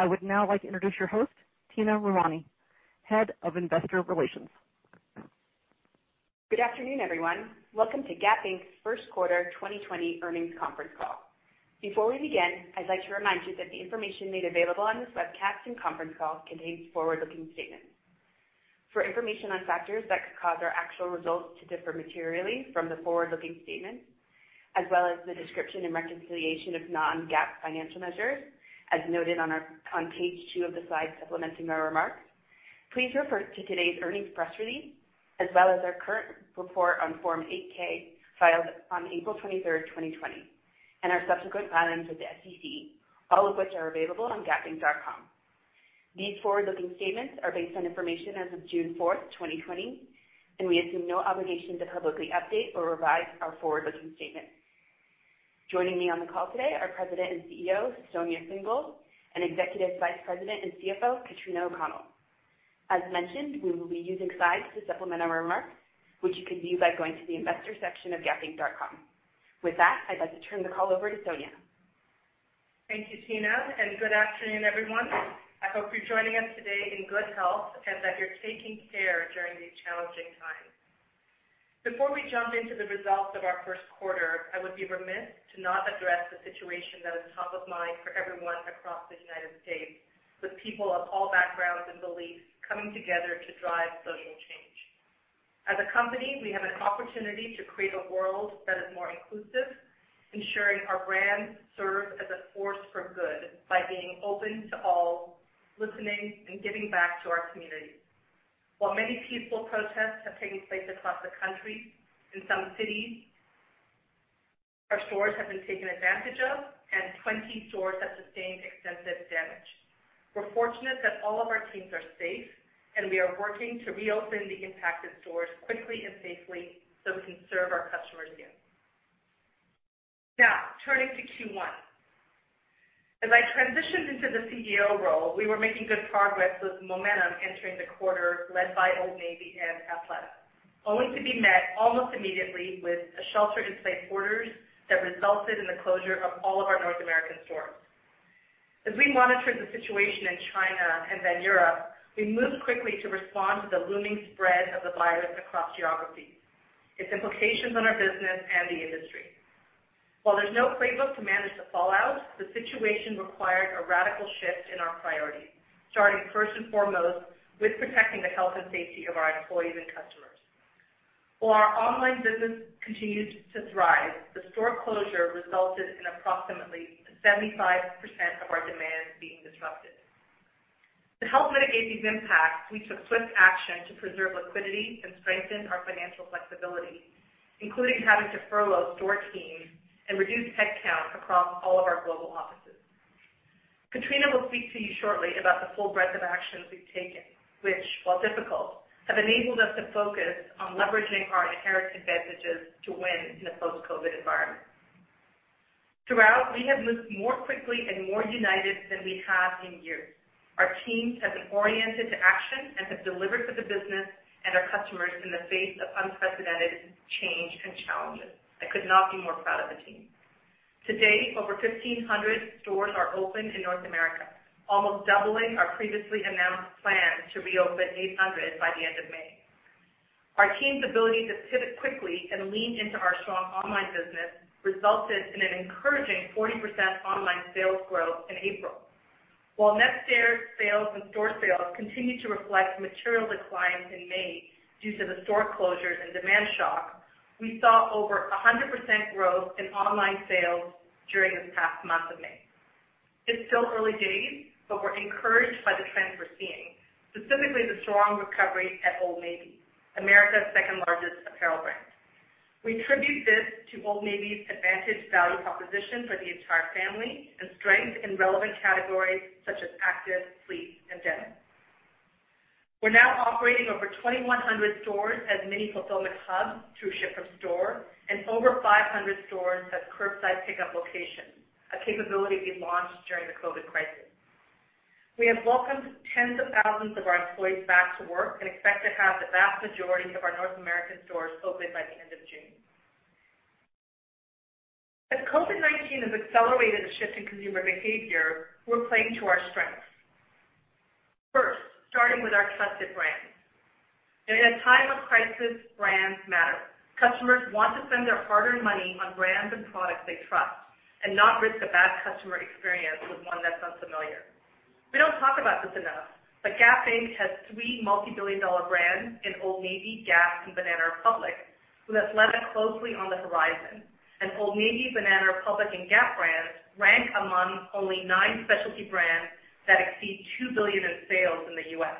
I would now like to introduce your host, Tina Romani, Head of Investor Relations. Good afternoon, everyone. Welcome to Gap Inc.'s First Quarter 2020 Earnings Conference Call. Before we begin, I'd like to remind you that the information made available on this webcast and conference call contains forward-looking statements. For information on factors that could cause our actual results to differ materially from the forward-looking statements, as well as the description and reconciliation of non-GAAP financial measures, as noted on page two of the slides supplementing our remarks, please refer to today's earnings press release, as well as our current report on Form 8-K filed on April 23rd, 2020, and our subsequent filings with the SEC, all of which are available on gapinc.com. These forward-looking statements are based on information as of June 4th, 2020, and we assume no obligation to publicly update or revise our forward-looking statements. Joining me on the call today are President and CEO, Sonia Syngal, and Executive Vice President and CFO, Katrina O'Connell. As mentioned, we will be using slides to supplement our remarks, which you can view by going to the investor section of gapinc.com. With that, I'd like to turn the call over to Sonia. Thank you, Tina, and good afternoon, everyone. I hope you're joining us today in good health and that you're taking care during these challenging times. Before we jump into the results of our first quarter, I would be remiss to not address the situation that is top of mind for everyone across the United States, with people of all backgrounds and beliefs coming together to drive social change. As a company, we have an opportunity to create a world that is more inclusive, ensuring our brands serve as a force for good by being open to all, listening, and giving back to our community. While many peaceful protests have taken place across the country, in some cities, our stores have been taken advantage of, and 20 stores have sustained extensive damage. We're fortunate that all of our teams are safe, and we are working to reopen the impacted stores quickly and safely so we can serve our customers again. Turning to Q1. As I transitioned into the CEO role, we were making good progress with momentum entering the quarter led by Old Navy and Athleta, only to be met almost immediately with shelter in place orders that resulted in the closure of all of our North American stores. As we monitored the situation in China and then Europe, we moved quickly to respond to the looming spread of the virus across geographies, its implications on our business and the industry. While there's no playbook to manage the fallout, the situation required a radical shift in our priorities, starting first and foremost with protecting the health and safety of our employees and customers. While our online business continued to thrive, the store closure resulted in approximately 75% of our demand being disrupted. To help mitigate these impacts, we took swift action to preserve liquidity and strengthen our financial flexibility, including having to furlough store teams and reduce headcount across all of our global offices. Katrina will speak to you shortly about the full breadth of actions we've taken, which, while difficult, have enabled us to focus on leveraging our inherent advantages to win in a post-COVID-19 environment. Throughout, we have moved more quickly and more united than we have in years. Our teams have been oriented to action and have delivered for the business and our customers in the face of unprecedented change and challenges. I could not be more proud of the team. To date, over 1,500 stores are open in North America, almost doubling our previously announced plan to reopen 800 by the end of May. Our team's ability to pivot quickly and lean into our strong online business resulted in an encouraging 40% online sales growth in April. While net new sales and store sales continue to reflect material declines in May due to the store closures and demand shock, we saw over 100% growth in online sales during this past month of May. It's still early days, but we're encouraged by the trends we're seeing, specifically the strong recovery at Old Navy, America's second-largest apparel brand. We attribute this to Old Navy's advantaged value proposition for the entire family and strength in relevant categories such as active, sleep, and denim. We're now operating over 2,100 stores as mini-fulfillment hubs through ship from store and over 500 stores as curbside pickup locations, a capability we launched during the COVID crisis. We have welcomed tens of thousands of our employees back to work and expect to have the vast majority of our North American stores open by the end of June. As COVID-19 has accelerated the shift in consumer behavior, we're playing to our strengths. First, starting with our trusted brands. In a time of crisis, brands matter. Customers want to spend their hard-earned money on brands and products they trust and not risk a bad customer experience with one that's unfamiliar. We don't talk about this enough, but Gap Inc. has three multi-billion dollar brands in Old Navy, Gap, and Banana Republic, with Athleta closely on the horizon. Old Navy, Banana Republic, and Gap brands rank among only nine specialty brands that exceed $2 billion in sales in the U.S.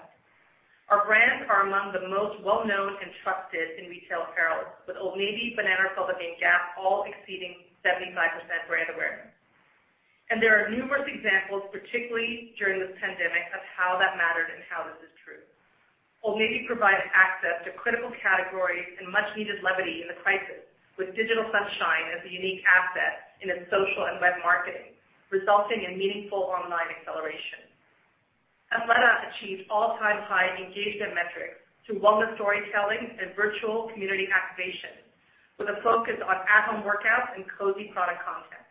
Our brands are among the most well-known and trusted in retail apparel, with Old Navy, Banana Republic, and Gap all exceeding 75% brand awareness. There are numerous examples, particularly during this pandemic, of how that mattered and how this is true. Old Navy provided access to critical categories and much-needed levity in the crisis, with digital sunshine as a unique asset in its social and web marketing, resulting in meaningful online acceleration. Athleta achieved all-time high engagement metrics through wellness storytelling and virtual community activation, with a focus on at-home workouts and cozy product content.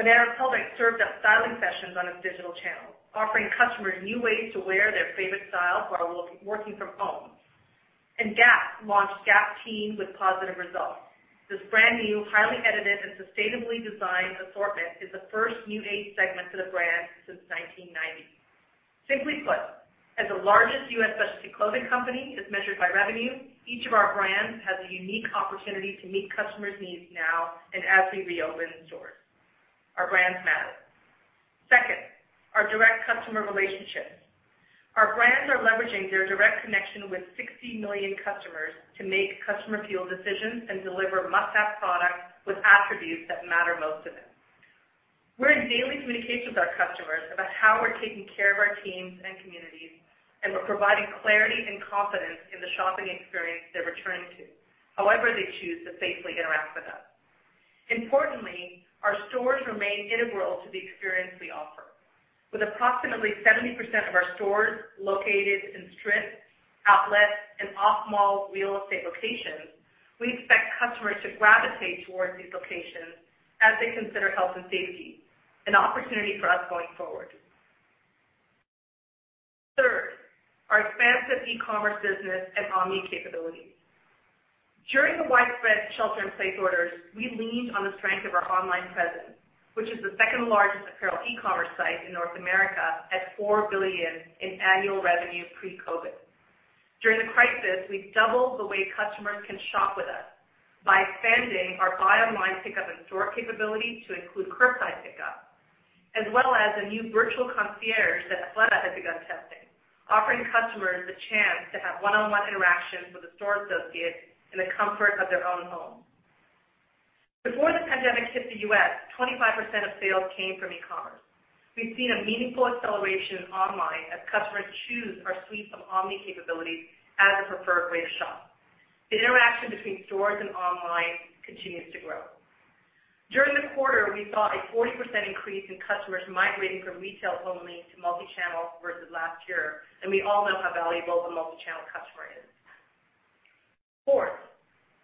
Banana Republic served up styling sessions on its digital channels, offering customers new ways to wear their favorite styles while working from home. Gap launched Gap Teen with positive results. This brand-new, highly edited, and sustainably designed assortment is the first new age segment for the brand since 1990. Simply put, as the largest U.S. specialty clothing company as measured by revenue, each of our brands has a unique opportunity to meet customers' needs now and as we reopen stores. Our brands matter. Second, our direct customer relationships. Our brands are leveraging their direct connection with 60 million customers to make customer-fueled decisions and deliver must-have products with attributes that matter most to them. We're in daily communication with our customers about how we're taking care of our teams and communities, and we're providing clarity and confidence in the shopping experience they're returning to, however they choose to safely interact with us. Importantly, our stores remain integral to the experience we offer. With approximately 70% of our stores located in strip, outlet, and off-mall real estate locations, we expect customers to gravitate towards these locations as they consider health and safety, an opportunity for us going forward. Third, our expansive e-commerce business and omni capabilities. During the widespread shelter in place orders, we leaned on the strength of our online presence, which is the second largest apparel e-commerce site in North America at $4 billion in annual revenue pre-COVID. During the crisis, we've doubled the way customers can shop with us by expanding our buy online pickup in-store capability to include curbside pickup, as well as a new virtual concierge that Athleta has begun testing, offering customers the chance to have one-on-one interactions with a store associate in the comfort of their own home. Before the pandemic hit the U.S., 25% of sales came from e-commerce. We've seen a meaningful acceleration online as customers choose our suite of omni capabilities as a preferred way to shop. The interaction between stores and online continues to grow. During the quarter, we saw a 40% increase in customers migrating from retail only to multi-channel versus last year, and we all know how valuable the multi-channel customer is. Fourth,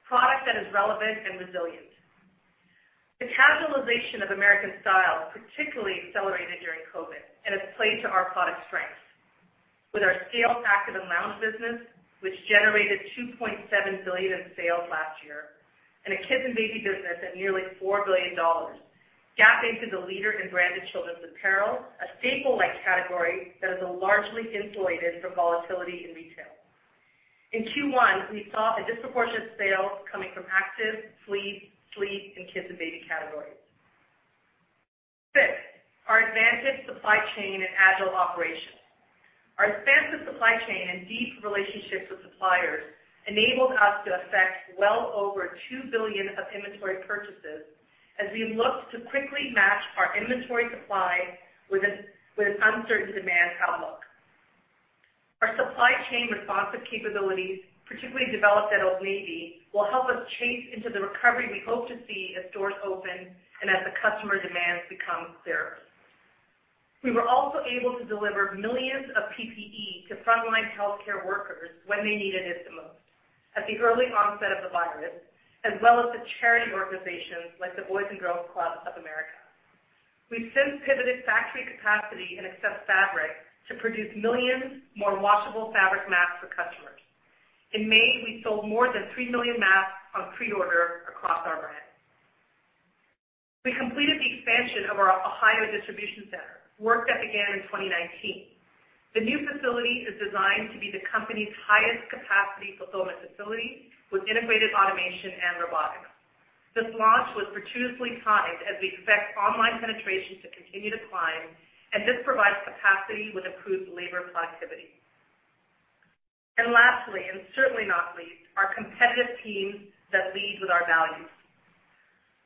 product that is relevant and resilient. The casualization of American style particularly accelerated during COVID and has played to our product strengths. With our scale active and lounge business, which generated $2.7 billion in sales last year, and a kids and baby business at nearly $4 billion, Gap Inc. is a leader in branded children's apparel, a staple-like category that is largely insulated from volatility in retail. In Q1, we saw a disproportionate sale coming from active, sleep, and kids and baby categories. Fifth, our advanced supply chain and agile operations. Our expansive supply chain and deep relationships with suppliers enabled us to affect well over $2 billion of inventory purchases as we looked to quickly match our inventory supply with an uncertain demand outlook. Our supply chain responsive capabilities, particularly developed at Old Navy, will help us chase into the recovery we hope to see as stores open and as the customer demands become clearer. We were also able to deliver millions of PPE to frontline healthcare workers when they needed it the most at the early onset of the virus, as well as to charity organizations like the Boys & Girls Clubs of America. We've since pivoted factory capacity and excess fabric to produce millions more washable fabric masks for customers. In May, we sold more than 3 million masks on pre-order across our brands. We completed the expansion of our Ohio distribution center, work that began in 2019. The new facility is designed to be the company's highest capacity fulfillment facility with integrated automation and robotics. This launch was fortuitously timed as we expect online penetration to continue to climb, and this provides capacity with improved labor productivity. Lastly, and certainly not least, our competitive teams that lead with our values.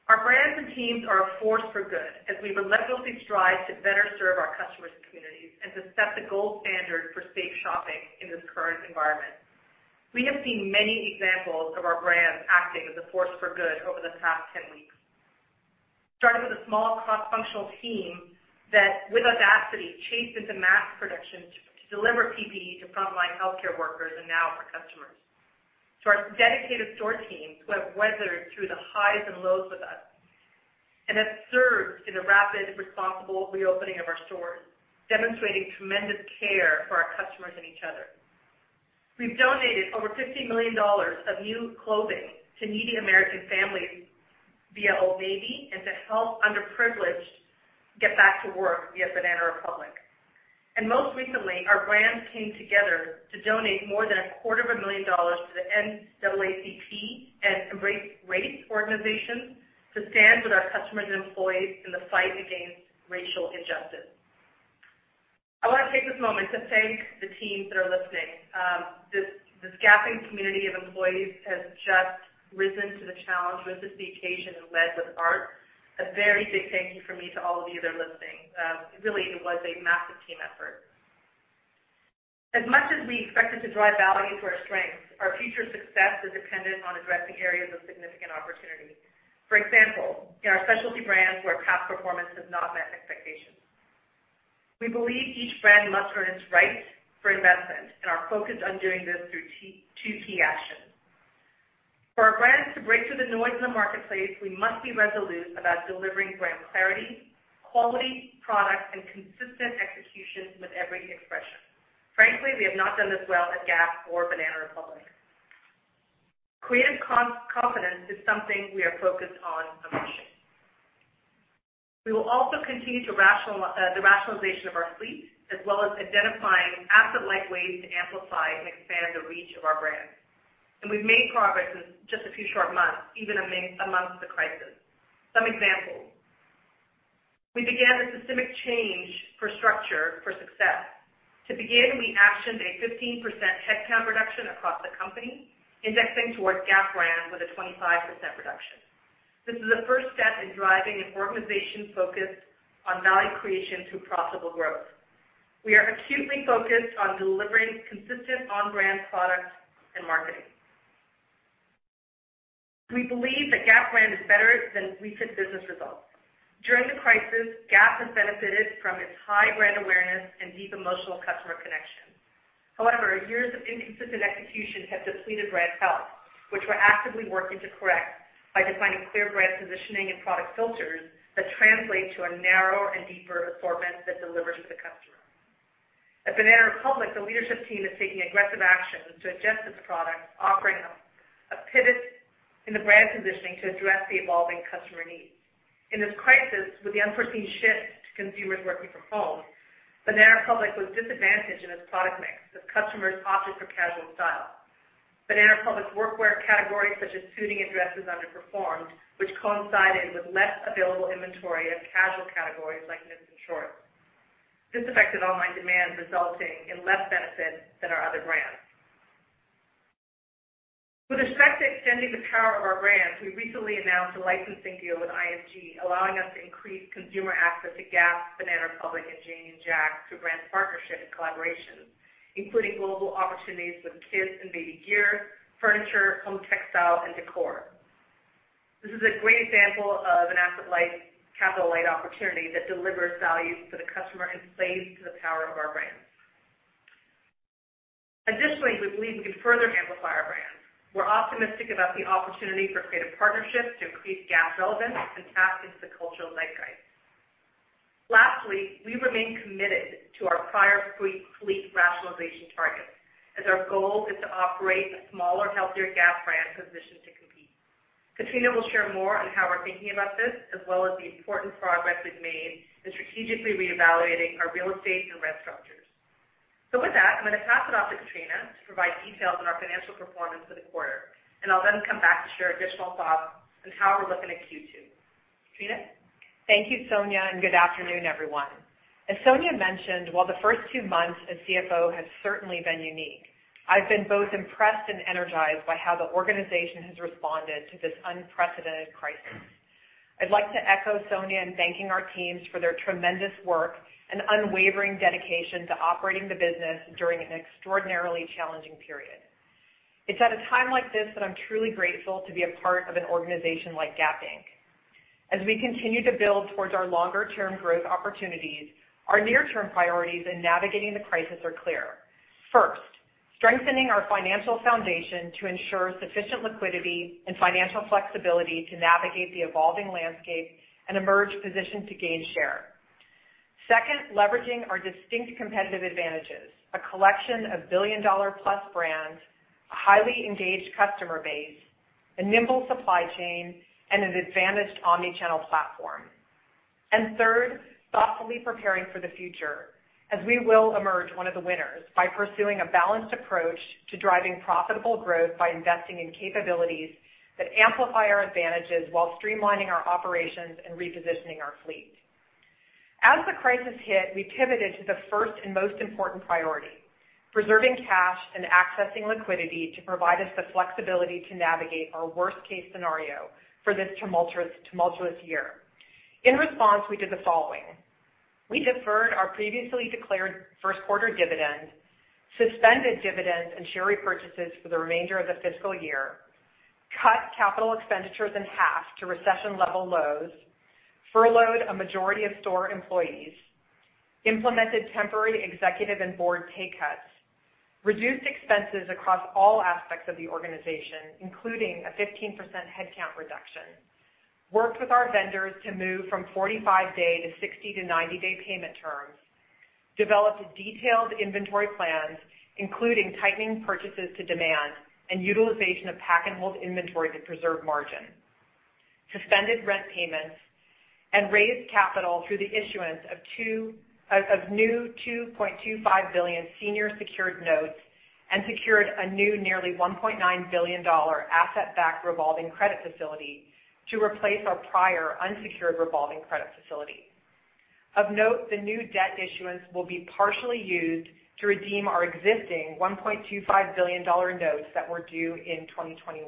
Our brands and teams are a force for good as we relentlessly strive to better serve our customers and communities and to set the gold standard for safe shopping in this current environment. We have seen many examples of our brands acting as a force for good over the past 10 weeks. Starting with a small cross-functional team that, with audacity, chased into mask production to deliver PPE to frontline healthcare workers and now for customers. To our dedicated store teams who have weathered through the highs and lows with us and have served in the rapid, responsible reopening of our stores, demonstrating tremendous care for our customers and each other. We've donated over $50 million of new clothing to needy American families via Old Navy and to help underprivileged get back to work via Banana Republic. Most recently, our brands came together to donate more than a quarter of a million dollars to the NAACP and EmbraceRace organizations to stand with our customers and employees in the fight against racial injustice. I want to take this moment to thank the teams that are listening. This Gap Inc. community of employees has just risen to the challenge, risen to the occasion, and led with heart. A very big thank you from me to all of you that are listening. Really, it was a massive team effort. As much as we expected to drive value into our strengths, our future success is dependent on addressing areas of significant opportunity. For example, in our specialty brands where past performance has not met expectations. We believe each brand must earn its right to investment and are focused on doing this through two distinct actions. For our brands to break through the noise in the marketplace, we must be resolute about delivering brand clarity, quality product, and consistent execution with every expression. Frankly, we have not done this well at Gap or Banana Republic. Creative confidence is something we are focused on in product and promotion. We will also continue the rationalization of our fleet, as well as identifying asset-light ways to amplify and expand the reach of our brands. We've made progress in just a few short months, even amongst the crisis. Some examples. We began a systemic change for structure for success. To begin, we actioned a 15% headcount reduction across the company, indexing towards Gap brand with a 25% reduction. This is a first step in driving an organization focused on value creation through profitable growth. We are acutely focused on delivering consistent on-brand products and marketing. We believe that Gap brand is better than recent business results. During the crisis, Gap has benefited from its high brand awareness and deep emotional customer connection. However, years of inconsistent execution have depleted brand health, which we're actively working to correct by defining clear brand positioning and product filters that translate to a narrower and deeper assortment that delivers to the customer. At Banana Republic, the leadership team is taking aggressive actions to adjust its product offering, a pivot in the brand positioning to address the evolving customer needs. In this crisis, with the unforeseen shift to consumers working from home, Banana Republic was disadvantaged in its product mix as customers opted for casual style. Banana Republic's work wear categories such as suiting and dresses underperformed, which coincided with less available inventory of casual categories like knits and shorts. This affected online demand, resulting in less benefit than our other brands. With respect to extending the power of our brands, we recently announced a licensing deal with IMG, allowing us to increase consumer access to Gap, Banana Republic, and Janie and Jack through brand partnership and collaboration, including global opportunities with kids and baby gear, furniture, home textile, and decor. This is a great example of an asset-light, capital-light opportunity that delivers value to the customer and plays to the power of our brands. Additionally, we believe we can further amplify our brands. We're optimistic about the opportunity for creative partnerships to increase Gap relevance and tap into the cultural zeitgeist. Lastly, we remain committed to our prior fleet rationalization targets, as our goal is to operate a smaller, healthier Gap brand positioned to compete. Katrina will share more on how we're thinking about this, as well as the important progress we've made in strategically reevaluating our real estate and rent structures. With that, I'm going to pass it off to Katrina to provide details on our financial performance for the quarter, and I'll then come back to share additional thoughts on how we're looking at Q2. Katrina? Thank you, Sonia, good afternoon, everyone. As Sonia mentioned, while the first two months as CFO have certainly been unique, I've been both impressed and energized by how the organization has responded to this unprecedented crisis. I'd like to echo Sonia in thanking our teams for their tremendous work and unwavering dedication to operating the business during an extraordinarily challenging period. It's at a time like this that I'm truly grateful to be a part of an organization like Gap Inc. As we continue to build towards our longer-term growth opportunities, our near-term priorities in navigating the crisis are clear, first, strengthening our financial foundation to ensure sufficient liquidity and financial flexibility to navigate the evolving landscape and emerge positioned to gain share, second, leveraging our distinct competitive advantages, a collection of billion-dollar-plus brands, a highly engaged customer base, a nimble supply chain, and an advantaged omni-channel platform. Third, thoughtfully preparing for the future, as we will emerge one of the winners by pursuing a balanced approach to driving profitable growth by investing in capabilities that amplify our advantages while streamlining our operations and repositioning our fleet. As the crisis hit, we pivoted to the first and most important priority, preserving cash and accessing liquidity to provide us the flexibility to navigate our worst case scenario for this tumultuous year. In response, we did the following. We deferred our previously declared first quarter dividend, suspended dividends and share repurchases for the remainder of the fiscal year, cut capital expenditures in half to recession level lows, furloughed a majority of store employees, implemented temporary executive and board pay cuts, reduced expenses across all aspects of the organization, including a 15% headcount reduction, worked with our vendors to move from 45 day to 60 to 90 day payment terms, developed detailed inventory plans, including tightening purchases to demand and utilization of pack and hold inventory to preserve margin, suspended rent payments, and raised capital through the issuance of new $2.25 billion senior secured notes and secured a new nearly $1.9 billion asset-backed revolving credit facility to replace our prior unsecured revolving credit facility. Of note, the new debt issuance will be partially used to redeem our existing $1.25 billion notes that were due in 2021.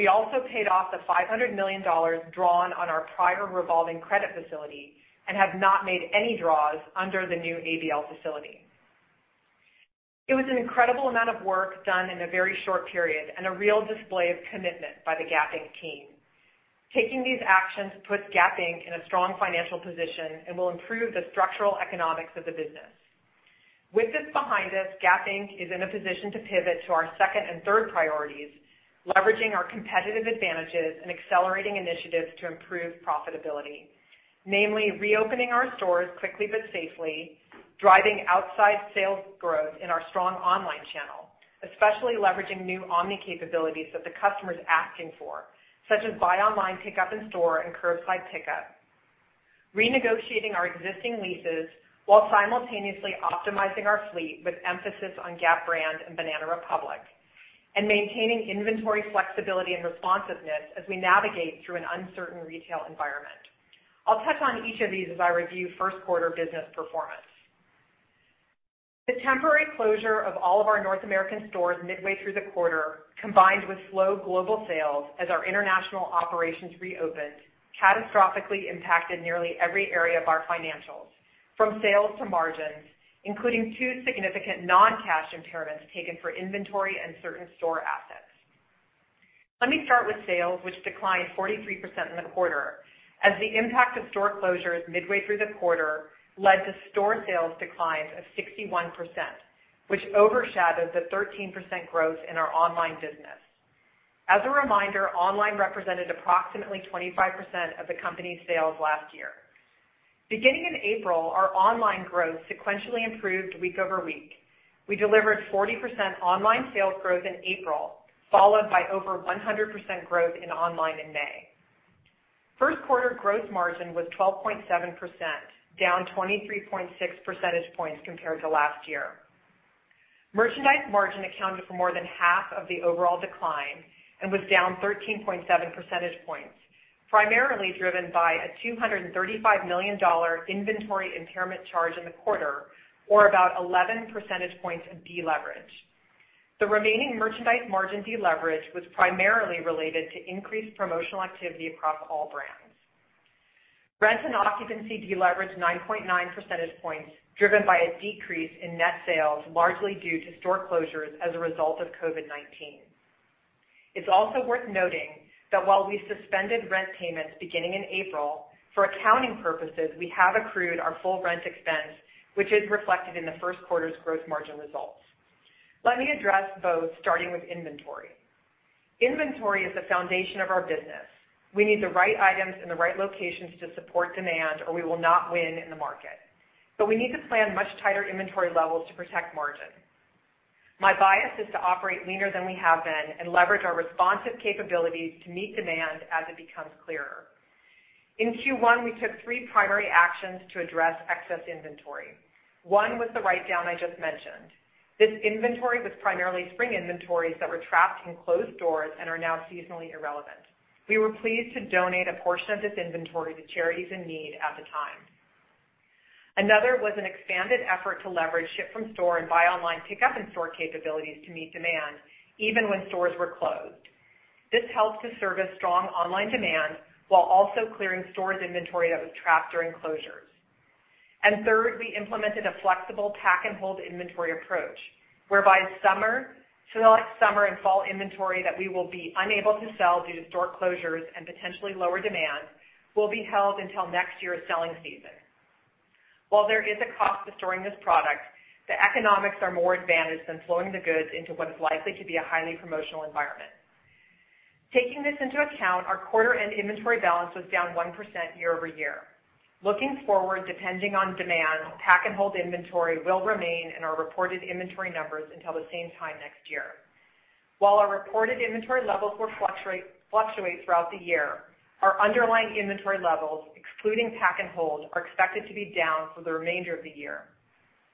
We also paid off the $500 million drawn on our prior revolving credit facility and have not made any draws under the new ABL facility. It was an incredible amount of work done in a very short period and a real display of commitment by the Gap Inc. team. Taking these actions puts Gap Inc. in a strong financial position and will improve the structural economics of the business. With this behind us, Gap Inc. is in a position to pivot to our second and third priorities, leveraging our competitive advantages and accelerating initiatives to improve profitability. Namely, reopening our stores quickly but safely, driving outside sales growth in our strong online channel, especially leveraging new omni capabilities that the customer is asking for, such as buy online, pickup in store, and curbside pickup. Renegotiating our existing leases while simultaneously optimizing our fleet with emphasis on Gap brand and Banana Republic, and maintaining inventory flexibility and responsiveness as we navigate through an uncertain retail environment. I'll touch on each of these as I review first quarter business performance. The temporary closure of all of our North American stores midway through the quarter, combined with slow global sales as our international operations reopened, catastrophically impacted nearly every area of our financials, from sales to margins, including two significant non-cash impairments taken for inventory and certain store assets. Let me start with sales, which declined 43% in the quarter, as the impact of store closures midway through the quarter led to store sales declines of 61%, which overshadowed the 13% growth in our online business. As a reminder, online represented approximately 25% of the company's sales last year. Beginning in April, our online growth sequentially improved week over week. We delivered 40% online sales growth in April, followed by over 100% growth in online in May. First quarter gross margin was 12.7%, down 23.6 percentage points compared to last year. Merchandise margin accounted for more than half of the overall decline and was down 13.7 percentage points, primarily driven by a $235 million inventory impairment charge in the quarter, or about 11 percentage points of deleverage. The remaining merchandise margin deleverage was primarily related to increased promotional activity across all brands. Rent and occupancy deleveraged 9.9 percentage points, driven by a decrease in net sales, largely due to store closures as a result of COVID-19. It's also worth noting that while we suspended rent payments beginning in April, for accounting purposes, we have accrued our full rent expense, which is reflected in the first quarter's gross margin results. Let me address both, starting with inventory. Inventory is the foundation of our business. We need the right items in the right locations to support demand, or we will not win in the market. We need to plan much tighter inventory levels to protect margin. My bias is to operate leaner than we have been and leverage our responsive capabilities to meet demand as it becomes clearer. In Q1, we took three primary actions to address excess inventory. One was the write-down I just mentioned. This inventory was primarily spring inventories that were trapped in closed doors and are now seasonally irrelevant. We were pleased to donate a portion of this inventory to charities in need at the time. Another was an expanded effort to leverage ship from store and buy online pickup in-store capabilities to meet demand, even when stores were closed. This helped to service strong online demand while also clearing stores inventory that was trapped during closures. Third, we implemented a flexible pack and hold inventory approach, whereby select summer and fall inventory that we will be unable to sell due to store closures and potentially lower demand will be held until next year's selling season. While there is a cost to storing this product, the economics are more advantaged than flowing the goods into what is likely to be a highly promotional environment. Taking this into account, our quarter-end inventory balance was down 1% year-over-year. Looking forward, depending on demand, pack and hold inventory will remain in our reported inventory numbers until the same time next year. While our reported inventory levels will fluctuate throughout the year, our underlying inventory levels, excluding pack and hold, are expected to be down for the remainder of the year,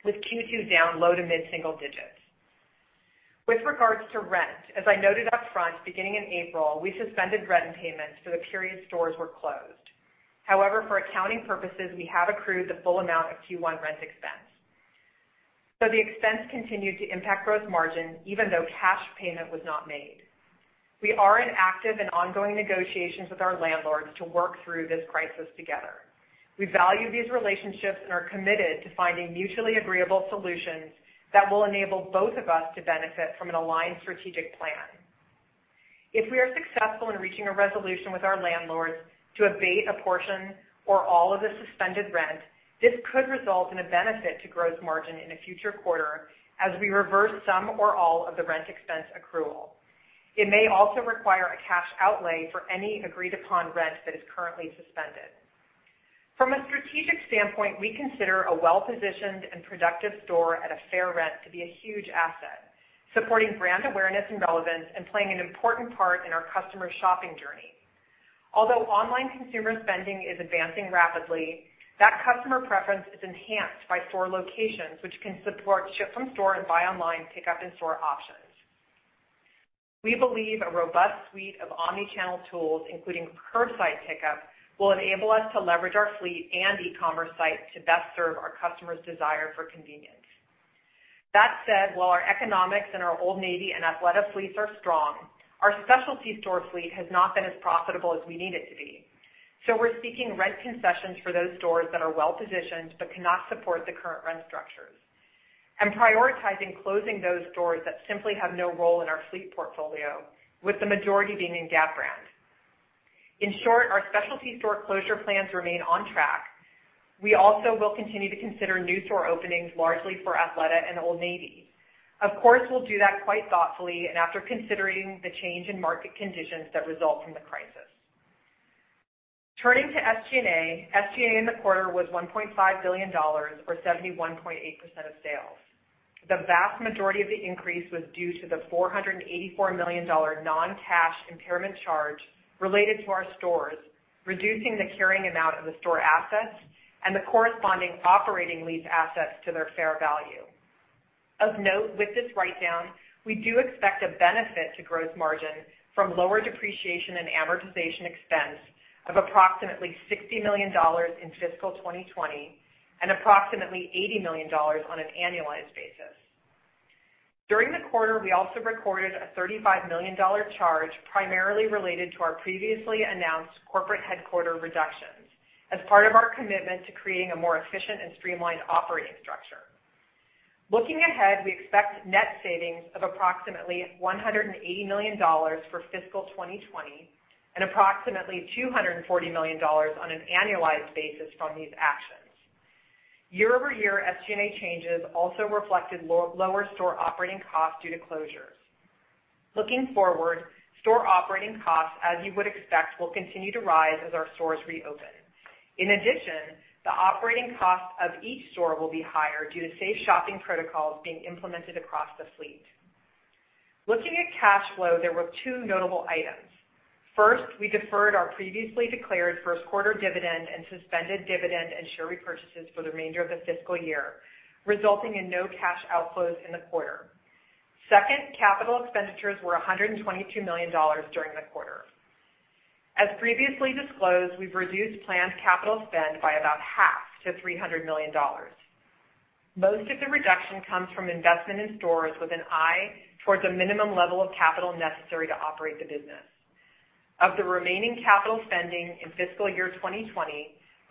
with Q2 down low to mid-single digits. With regards to rent, as I noted up front, beginning in April, we suspended rent payments for the period stores were closed. For accounting purposes, we have accrued the full amount of Q1 rent expense. The expense continued to impact gross margin even though cash payment was not made. We are in active and ongoing negotiations with our landlords to work through this crisis together. We value these relationships and are committed to finding mutually agreeable solutions that will enable both of us to benefit from an aligned strategic plan. If we are successful in reaching a resolution with our landlords to abate a portion or all of the suspended rent, this could result in a benefit to gross margin in a future quarter as we reverse some or all of the rent expense accrual. It may also require a cash outlay for any agreed-upon rent that is currently suspended. From a strategic standpoint, we consider a well-positioned and productive store at a fair rent to be a huge asset, supporting brand awareness and relevance and playing an important part in our customers' shopping journey. Although online consumer spending is advancing rapidly, that customer preference is enhanced by store locations which can support ship from store and buy online, pickup in-store options. We believe a robust suite of omni-channel tools, including curbside pickup, will enable us to leverage our fleet and e-commerce site to best serve our customers' desire for convenience. That said, while our economics in our Old Navy and Athleta fleets are strong, our specialty store fleet has not been as profitable as we need it to be. We're seeking rent concessions for those stores that are well-positioned but cannot support the current rent structures, and prioritizing closing those stores that simply have no role in our fleet portfolio, with the majority being in Gap brand. In short, our specialty store closure plans remain on track. We also will continue to consider new store openings largely for Athleta and Old Navy. Of course, we'll do that quite thoughtfully and after considering the change in market conditions that result from the crisis. Turning to SG&A, SG&A in the quarter was $1.5 billion, or 71.8% of sales. The vast majority of the increase was due to the $484 million non-cash impairment charge related to our stores, reducing the carrying amount of the store assets and the corresponding operating lease assets to their fair value. Of note with this write-down, we do expect a benefit to gross margin from lower depreciation and amortization expense of approximately $60 million in fiscal 2020 and approximately $80 million on an annualized basis. During the quarter, we also recorded a $35 million charge primarily related to our previously announced corporate headquarter reductions as part of our commitment to creating a more efficient and streamlined operating structure. Looking ahead, we expect net savings of approximately $180 million for fiscal 2020 and approximately $240 million on an annualized basis from these actions. Year-over-year SG&A changes also reflected lower store operating costs due to closures. Looking forward, store operating costs, as you would expect, will continue to rise as our stores reopen. In addition, the operating cost of each store will be higher due to safe shopping protocols being implemented across the fleet. Looking at cash flow, there were two notable items. First, we deferred our previously declared first quarter dividend and suspended dividend and share repurchases for the remainder of the fiscal year, resulting in no cash outflows in the quarter. Second, capital expenditures were $122 million during the quarter. As previously disclosed, we've reduced planned capital spend by about half to $300 million. Most of the reduction comes from investment in stores with an eye towards a minimum level of capital necessary to operate the business. Of the remaining capital spending in fiscal year 2020,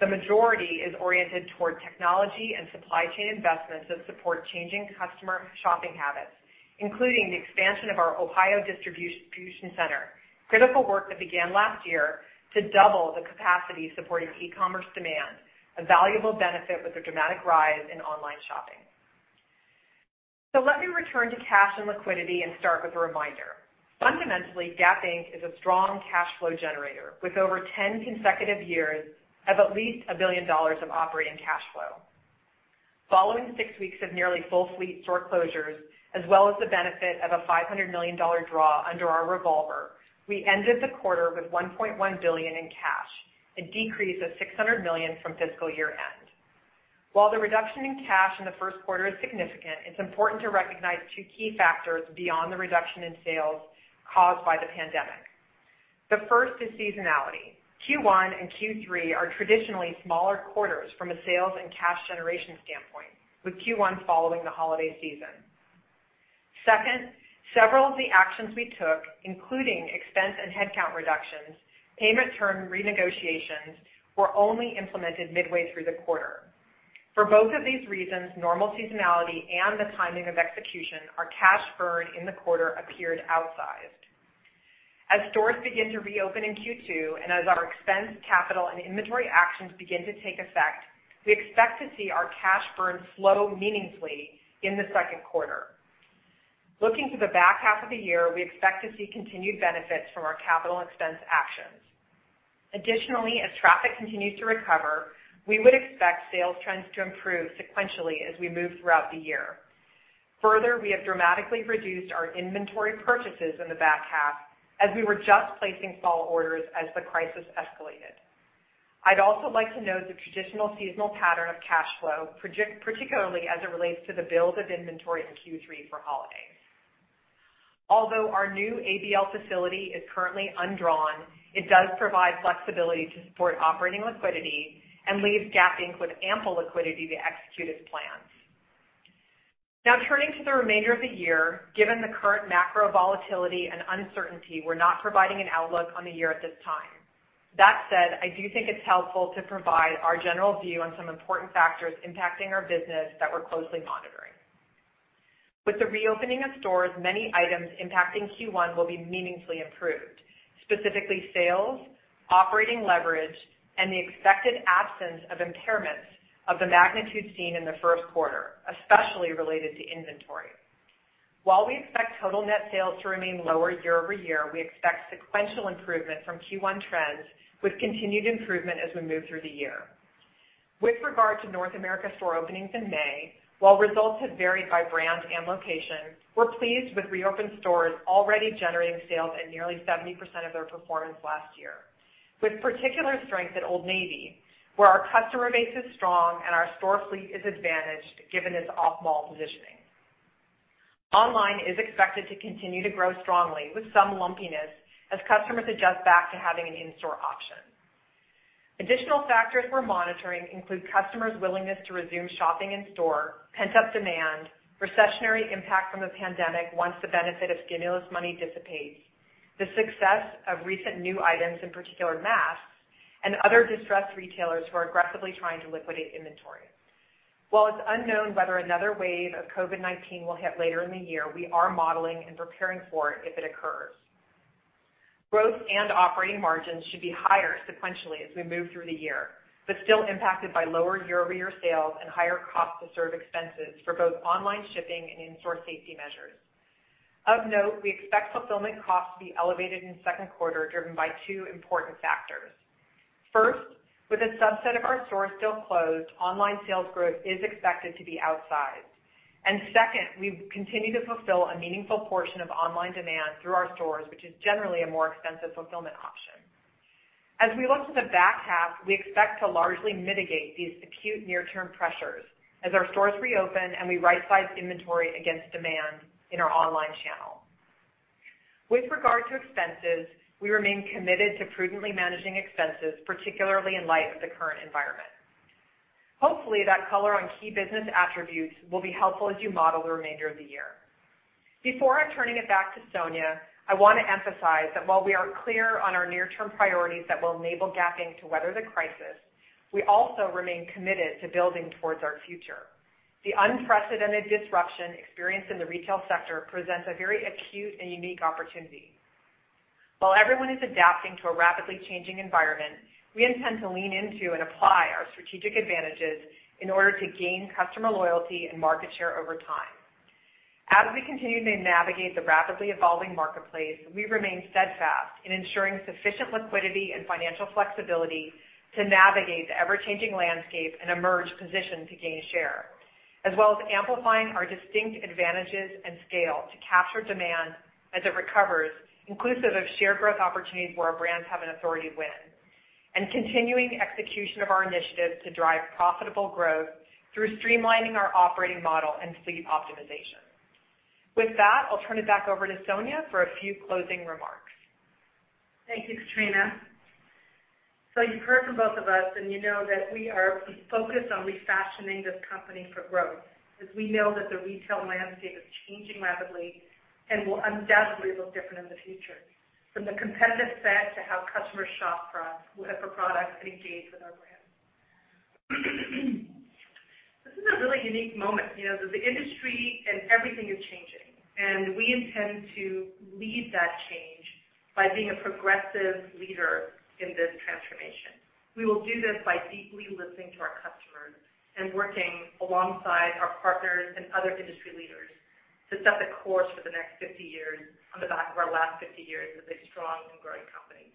the majority is oriented toward technology and supply chain investments that support changing customer shopping habits, including the expansion of our Ohio distribution center, critical work that began last year to double the capacity supporting e-commerce demand, a valuable benefit with the dramatic rise in online shopping. Let me return to cash and liquidity and start with a reminder. Fundamentally, Gap Inc. is a strong cash flow generator with over 10 consecutive years of at least $1 billion of operating cash flow. Following six weeks of nearly full fleet store closures, as well as the benefit of a $500 million draw under our revolver, we ended the quarter with $1.1 billion in cash, a decrease of $600 million from fiscal year-end. While the reduction in cash in the first quarter is significant, it's important to recognize two key factors beyond the reduction in sales caused by the pandemic. The first is seasonality. Q1 and Q3 are traditionally smaller quarters from a sales and cash generation standpoint, with Q1 following the holiday season. Several of the actions we took, including expense and headcount reductions, payment term renegotiations, were only implemented midway through the quarter. For both of these reasons, normal seasonality and the timing of execution, our cash burn in the quarter appeared outsized. As stores begin to reopen in Q2 and as our expense capital and inventory actions begin to take effect, we expect to see our cash burn slow meaningfully in the second quarter. Looking to the back half of the year, we expect to see continued benefits from our capital expense actions. Additionally, as traffic continues to recover, we would expect sales trends to improve sequentially as we move throughout the year. Further, we have dramatically reduced our inventory purchases in the back half as we were just placing fall orders as the crisis escalated. I'd also like to note the traditional seasonal pattern of cash flow, particularly as it relates to the build of inventory in Q3 for holidays. Although our new ABL facility is currently undrawn, it does provide flexibility to support operating liquidity and leaves Gap Inc. with ample liquidity to execute its plans. Now turning to the remainder of the year, given the current macro volatility and uncertainty, we're not providing an outlook on the year at this time. That said, I do think it's helpful to provide our general view on some important factors impacting our business that we're closely monitoring. With the reopening of stores, many items impacting Q1 will be meaningfully improved, specifically sales, operating leverage, and the expected absence of impairments of the magnitude seen in the first quarter, especially related to inventory. While we expect total net sales to remain lower year-over-year, we expect sequential improvement from Q1 trends, with continued improvement as we move through the year. With regard to North America store openings in May, while results have varied by brand and location, we're pleased with reopened stores already generating sales at nearly 70% of their performance last year, with particular strength at Old Navy, where our customer base is strong and our store fleet is advantaged given its off-mall positioning. Online is expected to continue to grow strongly with some lumpiness as customers adjust back to having an in-store option. Additional factors we're monitoring include customers' willingness to resume shopping in store, pent-up demand, recessionary impact from the pandemic once the benefit of stimulus money dissipates, the success of recent new items, in particular masks, and other distressed retailers who are aggressively trying to liquidate inventory. While it's unknown whether another wave of COVID-19 will hit later in the year, we are modeling and preparing for it if it occurs. Growth and operating margins should be higher sequentially as we move through the year, but still impacted by lower year-over-year sales and higher cost to serve expenses for both online shipping and in-store safety measures. Of note, we expect fulfillment costs to be elevated in the second quarter, driven by two important factors. First, with a subset of our stores still closed, online sales growth is expected to be outsized. Second, we continue to fulfill a meaningful portion of online demand through our stores, which is generally a more expensive fulfillment option. As we look to the back half, we expect to largely mitigate these acute near-term pressures as our stores reopen and we right-size inventory against demand in our online channel. With regard to expenses, we remain committed to prudently managing expenses, particularly in light of the current environment. Hopefully, that color on key business attributes will be helpful as you model the remainder of the year. Before turning it back to Sonia, I want to emphasize that while we are clear on our near-term priorities that will enable Gap Inc. to weather the crisis, we also remain committed to building towards our future. The unprecedented disruption experienced in the retail sector presents a very acute and unique opportunity. While everyone is adapting to a rapidly changing environment, we intend to lean into and apply our strategic advantages in order to gain customer loyalty and market share over time. As we continue to navigate the rapidly evolving marketplace, we remain steadfast in ensuring sufficient liquidity and financial flexibility to navigate the ever-changing landscape and emerge positioned to gain share, as well as amplifying our distinct advantages and scale to capture demand as it recovers, inclusive of shared growth opportunities where our brands have an authority to win, and continuing execution of our initiatives to drive profitable growth through streamlining our operating model and fleet optimization. With that, I'll turn it back over to Sonia for a few closing remarks. Thank you, Katrina. You've heard from both of us, and you know that we are focused on refashioning this company for growth, because we know that the retail landscape is changing rapidly and will undoubtedly look different in the future, from the competitive set to how customers shop from us, look for products, and engage with our brands. This is a really unique moment. The industry and everything is changing, and we intend to lead that change by being a progressive leader in this transformation. We will do this by deeply listening to our customers and working alongside our partners and other industry leaders to set the course for the next 50 years on the back of our last 50 years as a strong and growing company.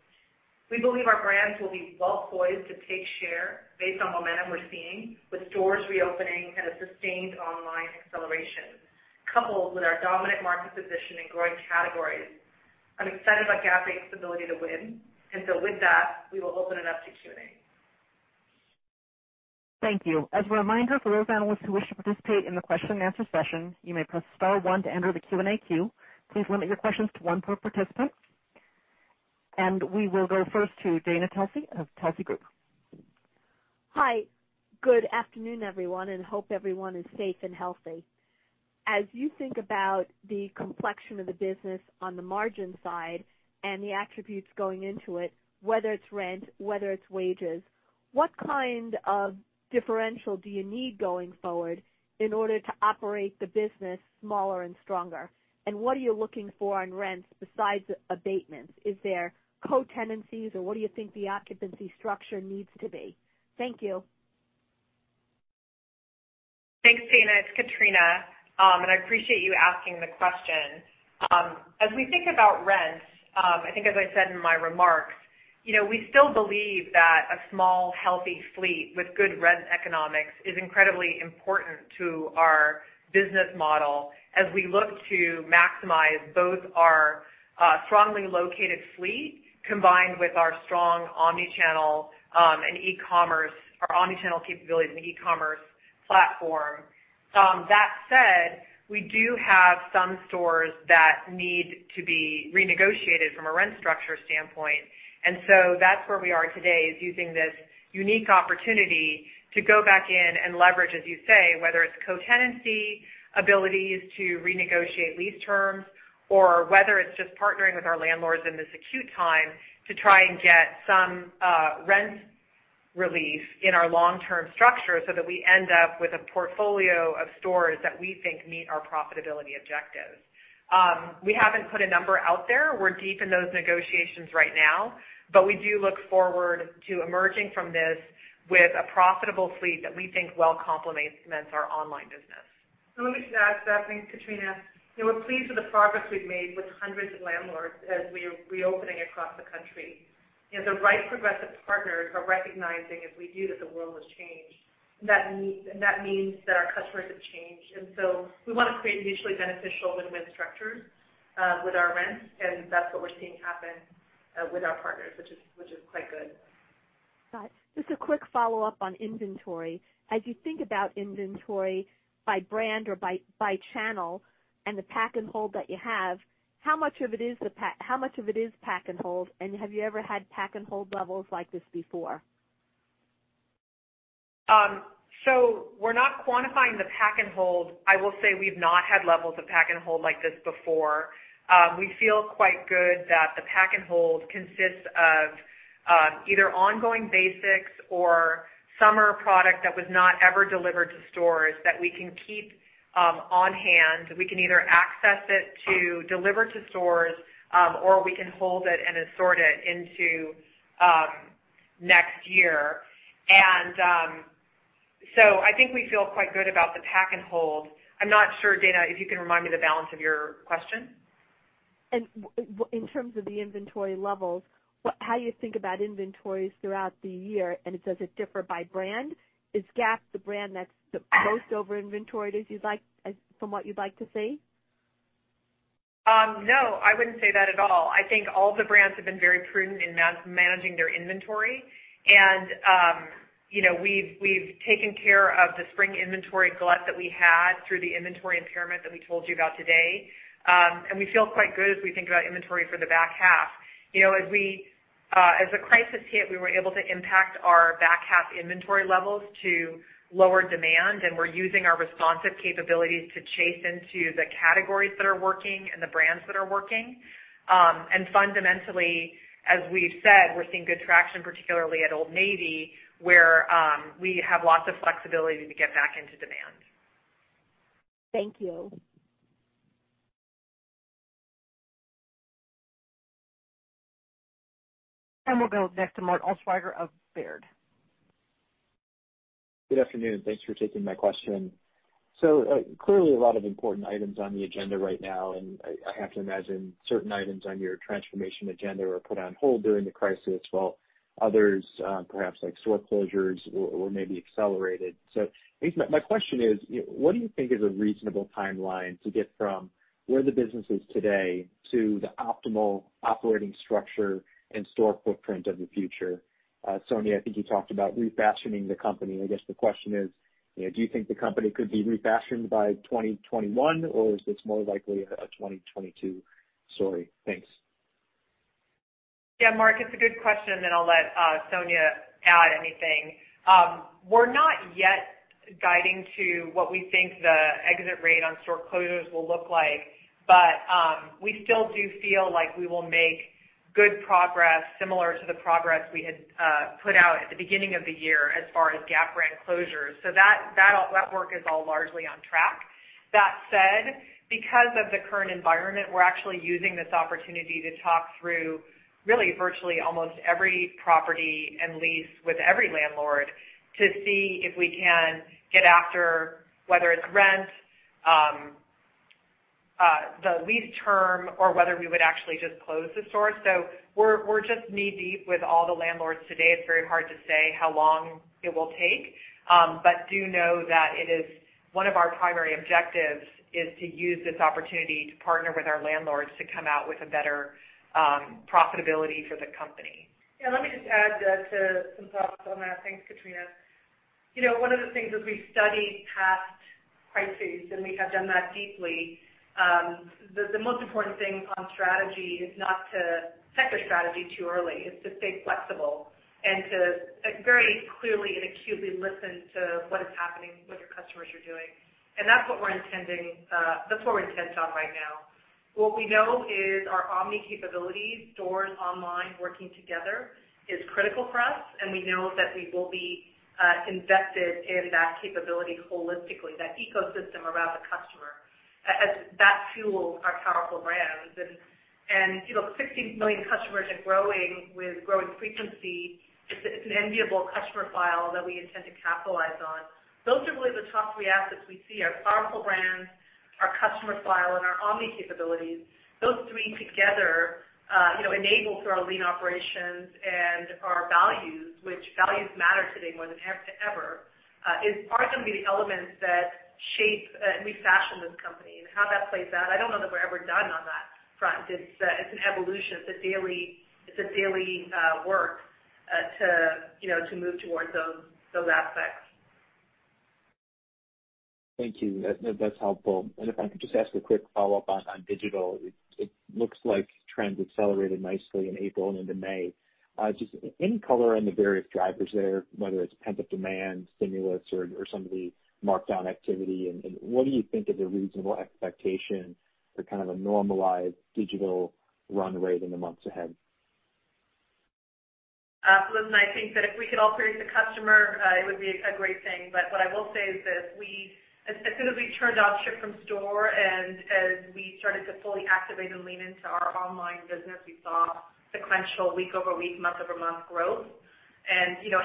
We believe our brands will be well-poised to take share based on momentum we're seeing with stores reopening and a sustained online acceleration, coupled with our dominant market position in growing categories. I'm excited about Gap Inc.'s ability to win, and so with that, we will open it up to Q&A. Thank you. As a reminder, for those analysts who wish to participate in the question and answer session, you may press star one to enter the Q&A queue. Please limit your questions to one per participant. We will go first to Dana Telsey of Telsey Group. Hi. Good afternoon, everyone, hope everyone is safe and healthy. As you think about the complexion of the business on the margin side and the attributes going into it, whether it's rent, whether it's wages, what kind of differential do you need going forward in order to operate the business smaller and stronger? What are you looking for on rents besides abatements? Is there co-tenancies, or what do you think the occupancy structure needs to be? Thank you. Thanks, Dana. It's Katrina. I appreciate you asking the question. As we think about rents, I think as I said in my remarks, we still believe that a small, healthy fleet with good rent economics is incredibly important to our business model as we look to maximize both our strongly located fleet combined with our strong omni-channel and e-commerce, our omni-channel capabilities and e-commerce platform. That said, we do have some stores that need to be renegotiated from a rent structure standpoint. That's where we are today, is using this unique opportunity to go back in and leverage, as you say, whether it's co-tenancy, abilities to renegotiate lease terms, or whether it's just partnering with our landlords in this acute time to try and get some rent relief in our long-term structure so that we end up with a portfolio of stores that we think meet our profitability objectives. We haven't put a number out there. We're deep in those negotiations right now, but we do look forward to emerging from this with a profitable fleet that we think well complements our online business. Let me just add to that. Thanks, Katrina. We're pleased with the progress we've made with hundreds of landlords as we are reopening across the country. The right progressive partners are recognizing, as we do, that the world has changed, and that means that our customers have changed. We want to create mutually beneficial win-win structures with our rents, and that's what we're seeing happen with our partners, which is quite good. Got it. Just a quick follow-up on inventory. As you think about inventory by brand or by channel and the pack-and-hold that you have, how much of it is pack-and-hold, and have you ever had pack-and-hold levels like this before? We're not quantifying the pack and hold. I will say we've not had levels of pack and hold like this before. We feel quite good that the pack and hold consists of either ongoing basics or summer product that was not ever delivered to stores that we can keep on hand. We can either access it to deliver to stores, or we can hold it and assort it into next year. I think we feel quite good about the pack and hold. I'm not sure, Dana, if you can remind me the balance of your question. In terms of the inventory levels, how you think about inventories throughout the year, and does it differ by brand? Is Gap the brand that's the most over inventoried from what you'd like to see? No, I wouldn't say that at all. I think all the brands have been very prudent in managing their inventory. We've taken care of the spring inventory glut that we had through the inventory impairment that we told you about today. We feel quite good as we think about inventory for the back half. As the crisis hit, we weren't able to impact our back half inventory levels to lower demand, and we're using our responsive capabilities to chase into the categories that are working and the brands that are working. Fundamentally, as we've said, we're seeing good traction, particularly at Old Navy, where we have lots of flexibility to get back into demand. Thank you. We'll go next to Mark Altschwager of Baird. Good afternoon. Thanks for taking my question. Clearly a lot of important items on the agenda right now, and I have to imagine certain items on your transformation agenda were put on hold during the crisis, while others, perhaps like store closures, were maybe accelerated. I guess my question is, what do you think is a reasonable timeline to get from where the business is today to the optimal operating structure and store footprint of the future? Sonia, I think you talked about refashioning the company. I guess the question is, do you think the company could be refashioned by 2021, or is this more likely a 2022 story? Thanks. Yeah, Mark, it's a good question, and then I'll let Sonia add anything. We're not yet guiding to what we think the exit rate on store closures will look like, but we still do feel like we will make good progress similar to the progress we had put out at the beginning of the year as far as Gap brand closures. That work is all largely on track. That said, because of the current environment, we're actually using this opportunity to talk through really virtually almost every property and lease with every landlord to see if we can get after whether it's rent, the lease term, or whether we would actually just close the store. We're just knee-deep with all the landlords today. It's very hard to say how long it will take. Do know that it is one of our primary objectives is to use this opportunity to partner with our landlords to come out with a better profitability for the company. Yeah, let me just add some thoughts on that. Thanks, Katrina. One of the things as we studied past crises, and we have done that deeply, the most important thing on strategy is not to set your strategy too early. It's to stay flexible and to very clearly and acutely listen to what is happening, what your customers are doing. That's what we're intent on right now. What we know is our omni capabilities, stores online working together, is critical for us, and we know that we will be invested in that capability holistically, that ecosystem around the customer, as that fuels our powerful brands. 16 million customers and growing with growing frequency, it's an enviable customer file that we intend to capitalize on. Those are really the top three assets we see, our powerful brands, our customer file, and our omni capabilities. Those three together enabled through our lean operations and our values, which values matter today more than ever, are going to be the elements that shape and refashion this company. How that plays out, I don't know that we're ever done on that front. It's an evolution. It's a daily work to move towards those aspects. Thank you. That's helpful. If I could just ask a quick follow-up on digital. It looks like trends accelerated nicely in April and into May. Just any color on the various drivers there, whether it's pent-up demand, stimulus, or some of the markdown activity, what do you think is a reasonable expectation for a normalized digital run rate in the months ahead? Listen, I think that if we could all predict the customer, it would be a great thing. What I will say is this, as soon as we turned off ship from store and as we started to fully activate and lean into our online business, we saw sequential week-over-week, month-over-month growth.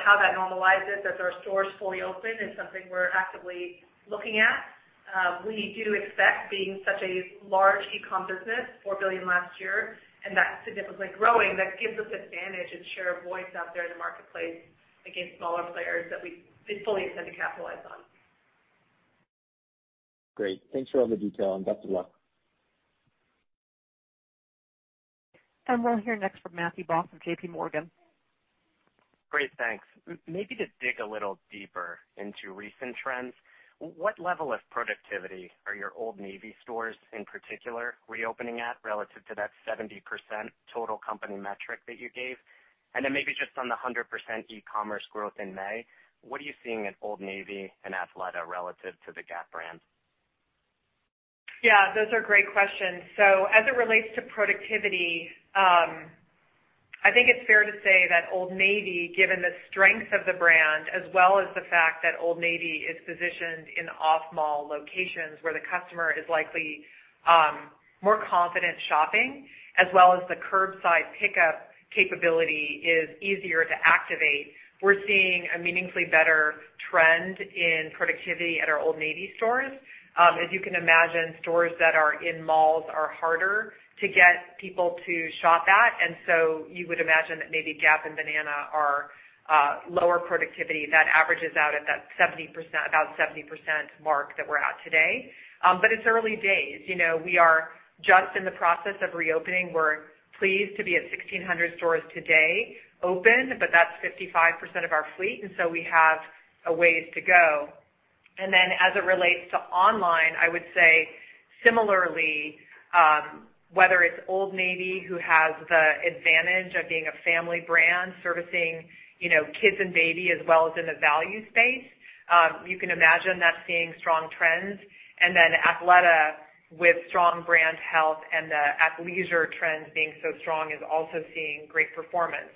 How that normalizes as our stores fully open is something we're actively looking at. We do expect being such a large e-com business, $4 billion last year, and that's significantly growing, that gives us advantage and share of voice out there in the marketplace against smaller players that we fully intend to capitalize on. Great. Thanks for all the detail, and best of luck. We'll hear next from Matthew Boss of JPMorgan. Great. Thanks. Maybe to dig a little deeper into recent trends, what level of productivity are your Old Navy stores in particular reopening at relative to that 70% total company metric that you gave? Maybe just on the 100% e-commerce growth in May, what are you seeing at Old Navy and Athleta relative to the Gap brand? Yeah, those are great questions. As it relates to productivity, I think it's fair to say that Old Navy, given the strength of the brand as well as the fact that Old Navy is positioned in off-mall locations where the customer is likely more confident shopping, as well as the curbside pickup capability is easier to activate. We're seeing a meaningfully better trend in productivity at our Old Navy stores. As you can imagine, stores that are in malls are harder to get people to shop at, you would imagine that maybe Gap and Banana are lower productivity. That averages out at that about 70% mark that we're at today. It's early days. We are just in the process of reopening. We're pleased to be at 1,600 stores today open, that's 55% of our fleet, we have a ways to go. As it relates to online, I would say similarly, whether it's Old Navy, who has the advantage of being a family brand servicing kids and baby as well as in the value space, you can imagine that's seeing strong trends. Athleta with strong brand health and the athleisure trends being so strong is also seeing great performance.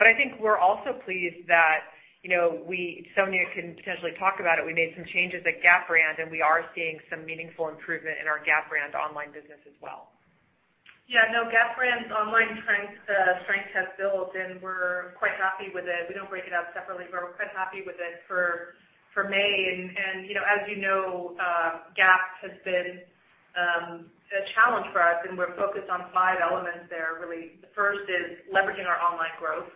I think we're also pleased that, Sonia can potentially talk about it, we made some changes at Gap brand, and we are seeing some meaningful improvement in our Gap brand online business as well. Yeah, no, Gap brand online strength has built. We're quite happy with it. We don't break it out separately. We're quite happy with it for May. As you know, Gap has been a challenge for us, and we're focused on five elements there, really. The first is leveraging our online growth.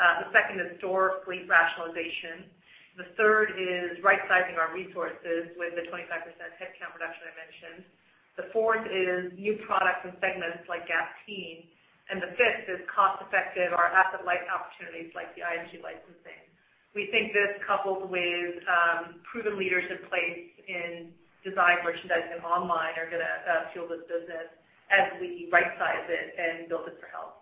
The second is store fleet rationalization. The third is right-sizing our resources with the 25% headcount reduction I mentioned. The fourth is new products and segments like Gap Teen, and the fifth is cost-effective or asset-light opportunities like the IMG licensing. We think this, coupled with proven leadership in place in design, merchandising, and online, are going to fuel this business as we right-size it and build it for health.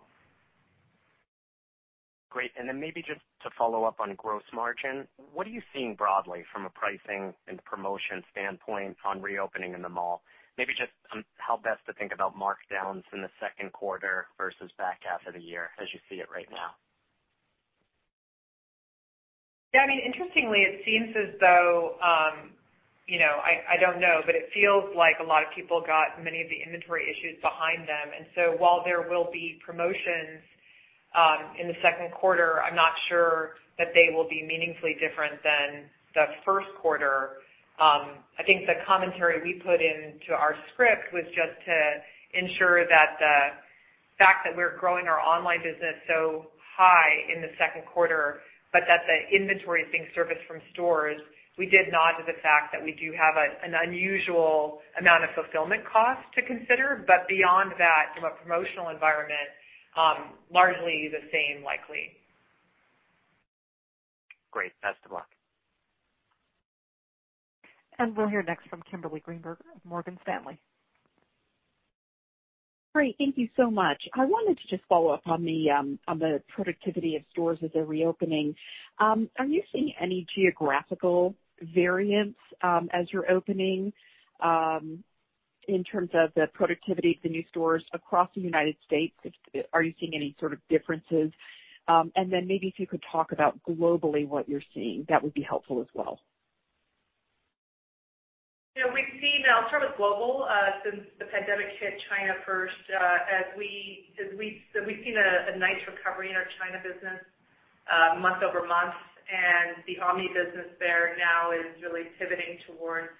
Great. Maybe just to follow up on gross margin, what are you seeing broadly from a pricing and promotion standpoint on reopening in the mall? Maybe just on how best to think about markdowns in the second quarter versus back half of the year as you see it right now? Yeah, interestingly, it seems as though, I don't know, but it feels like a lot of people got many of the inventory issues behind them. While there will be promotions in the second quarter, I'm not sure that they will be meaningfully different than the first quarter. I think the commentary we put into our script was just to ensure that the fact that we're growing our online business so high in the second quarter, but that the inventory is being serviced from stores. We did nod to the fact that we do have an unusual amount of fulfillment cost to consider, but beyond that, from a promotional environment, largely the same, likely. Great. Best of luck. We'll hear next from Kimberly Greenberger of Morgan Stanley. Great. Thank you so much. I wanted to just follow up on the productivity of stores as they're reopening. Are you seeing any geographical variance as you're opening in terms of the productivity of the new stores across the United States? Are you seeing any sort of differences? Maybe if you could talk about globally what you're seeing, that would be helpful as well. I'll start with global. Since the pandemic hit China first, we've seen a nice recovery in our China business month-over-month. The omni business there now is really pivoting towards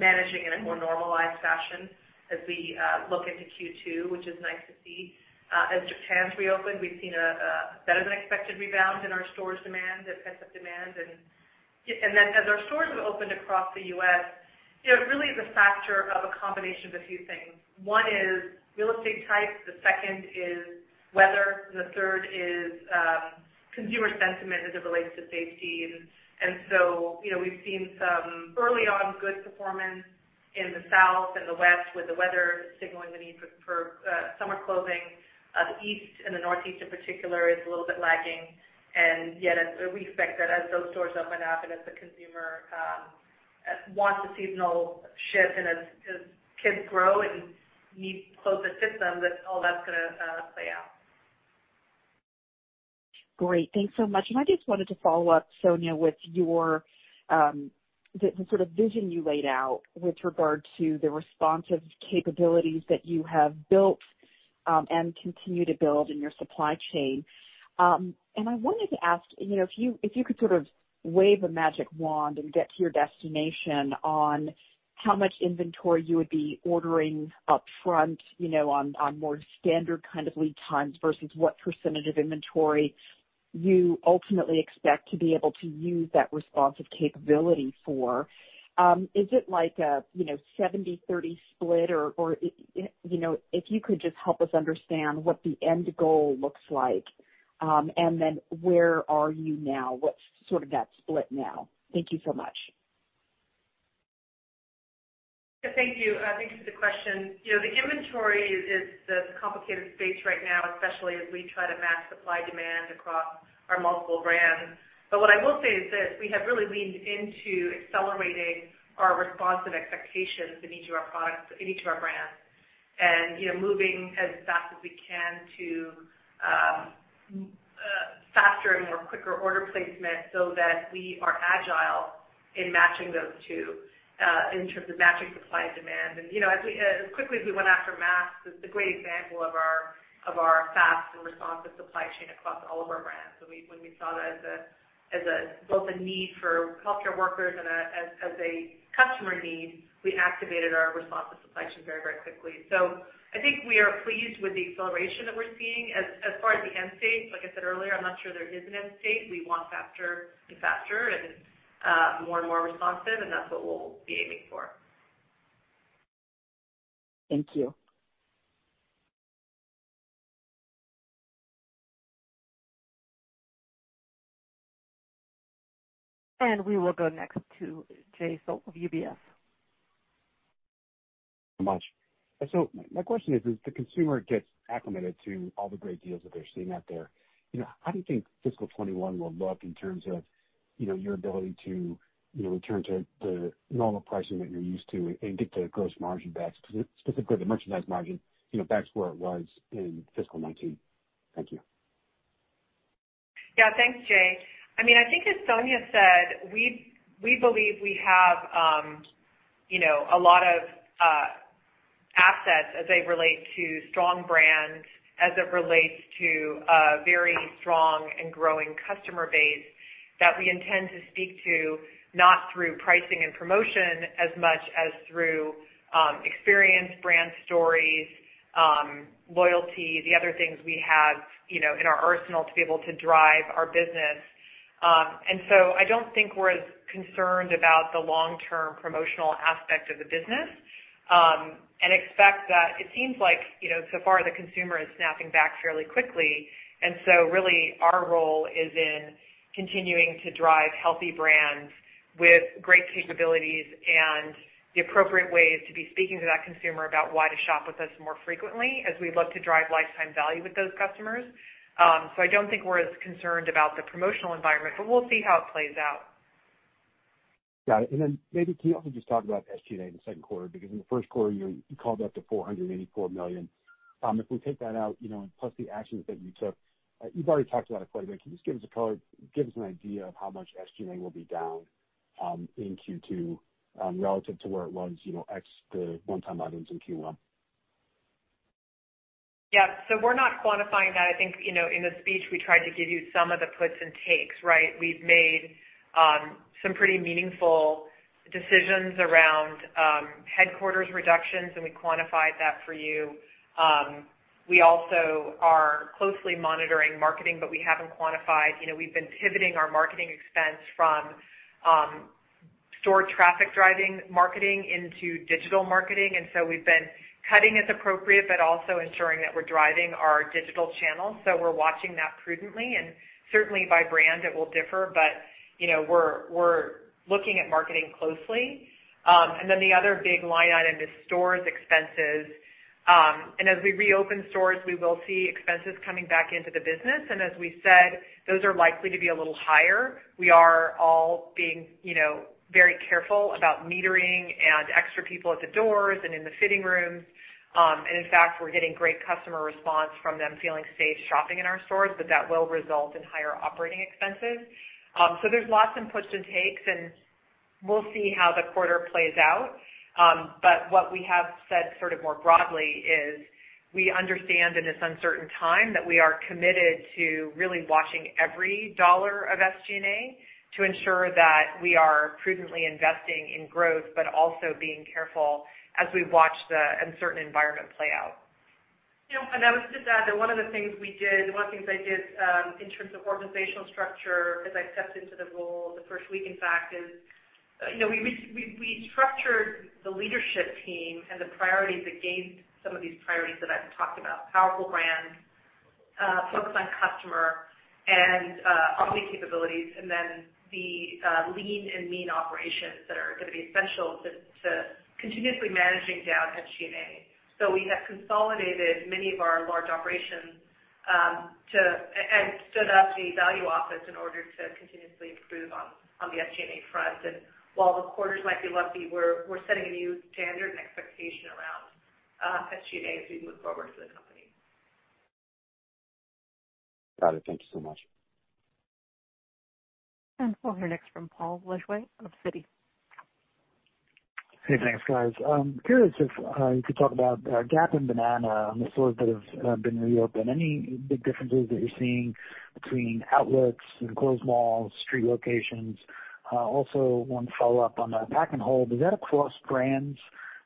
managing in a more normalized fashion as we look into Q2, which is nice to see. As Japan's reopened, we've seen a better than expected rebound in our stores demand and pickup demand. As our stores have opened across the U.S., really the factor of a combination of a few things. One is real estate type, the second is weather. The third is consumer sentiment as it relates to safety. We've seen some early on good performance in the South and the West with the weather signaling the need for summer clothing. The East and the Northeast in particular is a little bit lagging. Yet we expect that as those stores open up and as the consumer wants a seasonal shift and as kids grow and need clothes that fit them, that all that's going to play out. Great. Thanks so much. I just wanted to follow up, Sonia, with the sort of vision you laid out with regard to the responsive capabilities that you have built and continue to build in your supply chain. I wanted to ask, if you could sort of wave a magic wand and get to your destination on how much inventory you would be ordering upfront on more standard lead times versus what percentage of inventory you ultimately expect to be able to use that responsive capability for. Is it like a 70/30 split, or if you could just help us understand what the end goal looks like. Where are you now? What's sort of that split now? Thank you so much. Thank you. Thank you for the question. The inventory is the complicated space right now, especially as we try to match supply demand across our multiple brands. What I will say is this, we have really leaned into accelerating our responsive expectations in each of our brands. Moving as fast as we can to faster and more quicker order placement so that we are agile in matching those two in terms of matching supply and demand. As quickly as we went after masks is the great example of our fast and responsive supply chain across all of our brands. When we saw that as both a need for healthcare workers and as a customer need, we activated our responsive supply chain very, very quickly. I think we are pleased with the acceleration that we're seeing. As far as the end state, like I said earlier, I'm not sure there is an end state. We want faster and faster and more and more responsive, and that's what we'll be aiming for. Thank you. We will go next to Jay Sole of UBS. My question is, as the consumer gets acclimated to all the great deals that they're seeing out there, how do you think fiscal 2021 will look in terms of your ability to return to the normal pricing that you're used to and get the gross margin back, specifically the merchandise margin, back to where it was in fiscal 2019? Thank you. Yeah, thanks, Jay. I think as Sonia said, we believe we have a lot of assets as they relate to strong brands, as it relates to a very strong and growing customer base that we intend to speak to, not through pricing and promotion as much as through experience, brand stories, loyalty, the other things we have in our arsenal to be able to drive our business. I don't think we're as concerned about the long-term promotional aspect of the business, and expect that it seems like so far the consumer is snapping back fairly quickly. Really our role is in continuing to drive healthy brands with great capabilities and the appropriate ways to be speaking to that consumer about why to shop with us more frequently as we look to drive lifetime value with those customers. I don't think we're as concerned about the promotional environment, but we'll see how it plays out. Got it. Maybe can you also just talk about SG&A in the second quarter, because in the first quarter, you called out to $484 million. If we take that out, plus the actions that you took, you've already talked about it quite a bit. Can you just give us an idea of how much SG&A will be down in Q2 relative to where it was, ex the one time items in Q1? Yeah. We're not quantifying that. I think, in the speech, we tried to give you some of the puts and takes, right? We've made some pretty meaningful decisions around headquarters reductions, and we quantified that for you. We also are closely monitoring marketing, but we haven't quantified. We've been pivoting our marketing expense from store traffic driving marketing into digital marketing, and so we've been cutting as appropriate, but also ensuring that we're driving our digital channels. We're watching that prudently, and certainly by brand it will differ, but we're looking at marketing closely. The other big line item is stores expenses. As we reopen stores, we will see expenses coming back into the business. As we said, those are likely to be a little higher. We are all being very careful about metering and extra people at the doors and in the fitting rooms. In fact, we're getting great customer response from them feeling safe shopping in our stores, but that will result in higher operating expenses. There's lots in puts and takes, and we'll see how the quarter plays out. What we have said more broadly is we understand in this uncertain time that we are committed to really watching every dollar of SG&A to ensure that we are prudently investing in growth, but also being careful as we watch the uncertain environment play out. I would just add that one of the things I did in terms of organizational structure as I stepped into the role the first week, in fact, is we structured the leadership team and the priorities against some of these priorities that I've talked about. Powerful brands, focus on customer, and omni capabilities, and then the lean and mean operations that are going to be essential to continuously managing down SG&A. We have consolidated many of our large operations, and stood up the value office in order to continuously improve on the SG&A front. While the quarters might be lumpy, we're setting a new standard and expectation around SG&A as we move forward for the company. Got it. Thank you so much. We'll hear next from Paul Lejuez of Citi. Hey, thanks, guys. Curious if you could talk about Gap and Banana and the stores that have been reopened. Any big differences that you're seeing between outlets, enclosed malls, street locations? One follow-up on the pack and hold. Is that across brands?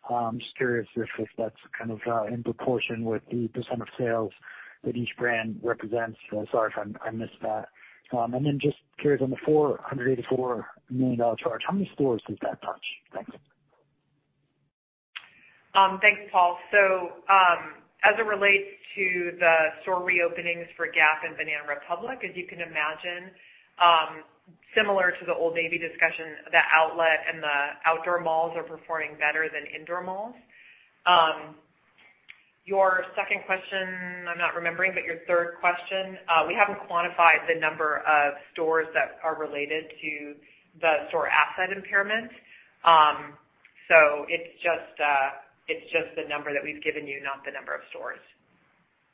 I'm just curious if that's in proportion with the % of sales that each brand represents. Sorry if I missed that. Just curious on the $484 million charge, how many stores does that touch? Thanks. Thanks, Paul. As it relates to the store reopenings for Gap and Banana Republic, as you can imagine, similar to the Old Navy discussion, the outlet and the outdoor malls are performing better than indoor malls. Your second question, I'm not remembering, but your third question, we haven't quantified the number of stores that are related to the store asset impairment. It's just the number that we've given you, not the number of stores.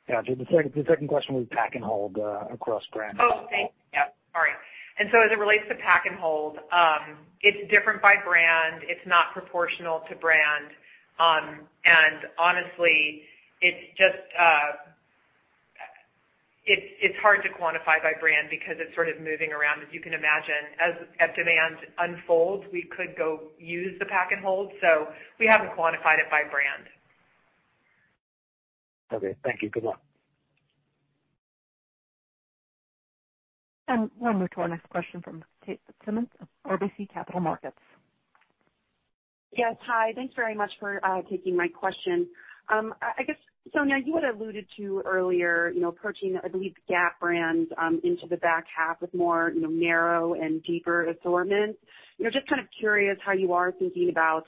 Yeah. The second question was pack and hold across brands. Oh, thank you. Yep, all right. As it relates to pack and hold, it's different by brand. It's not proportional to brand. Honestly, it's hard to quantify by brand because it's sort of moving around, as you can imagine. As demand unfolds, we could go use the pack and hold. We haven't quantified it by brand. Okay, thank you. Good luck. We'll move to our next question from Kate Fitzsimons of RBC Capital Markets. Yes, hi. Thanks very much for taking my question. I guess, Sonia, you had alluded to earlier approaching, I believe, Gap brands into the back half with more narrow and deeper assortments. Just kind of curious how you are thinking about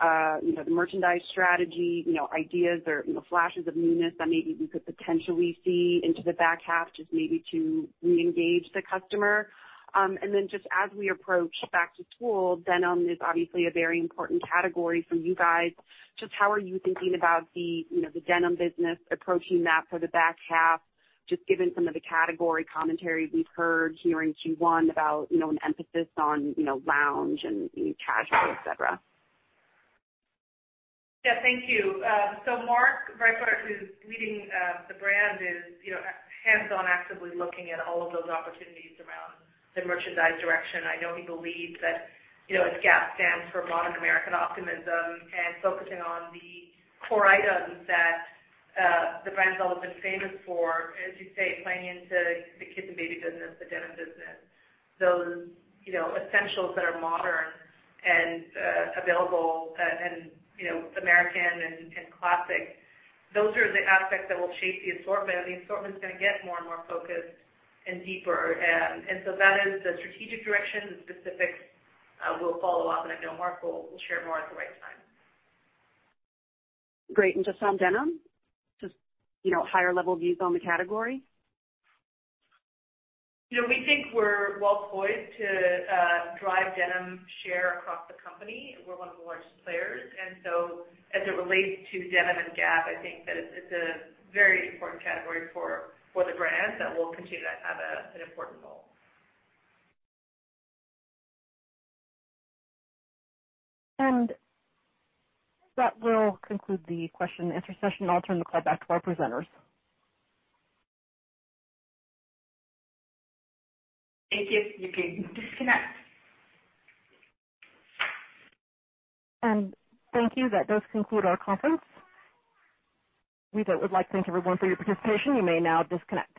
the merchandise strategy, ideas or flashes of newness that maybe we could potentially see into the back half, just maybe to reengage the customer. Just as we approach back to school, denim is obviously a very important category for you guys. Just how you are thinking about the denim business approaching that for the back half, just given some of the category commentary we've heard here in Q1 about an emphasis on lounge and casual, et cetera? Yeah, thank you. Mark Breitbard, who's leading the brand, is hands-on, actively looking at all of those opportunities around the merchandise direction. I know he believes that as Gap stands for modern American optimism and focusing on the core items that the brand's always been famous for, as you say, playing into the kids and baby business, the denim business. Those essentials that are modern and available and American and classic. Those are the aspects that will shape the assortment, and the assortment is going to get more and more focused and deeper. That is the strategic direction. The specifics will follow up, and I know Mark will share more at the right time. Great. Just on denim, just higher level views on the category. We think we're well poised to drive denim share across the company. We're one of the largest players. As it relates to denim and Gap, I think that it's a very important category for the brand that will continue to have an important role. That will conclude the question-and-answer session. I'll turn the call back to our presenters. Thank you. Thank you. That does conclude our conference. We would like to thank everyone for your participation. You may now disconnect.